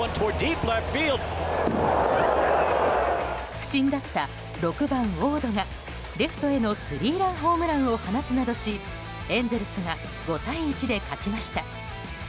不振だった６番ウォードがレフトへのスリーランホームランを放つなどしエンゼルスが５対１で勝ちました。